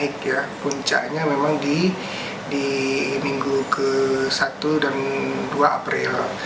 naik ya puncanya memang di minggu ke satu dan dua april